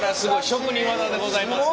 職人技でございますから。